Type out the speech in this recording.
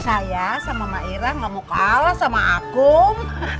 saya sama ma'ira gak mau kalah sama akum